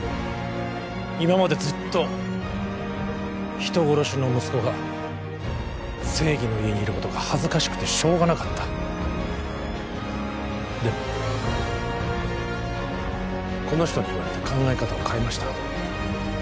今までずっと人殺しの息子が正義の家にいることが恥ずかしくてしょうがなかったでもこの人に言われて考え方を変えました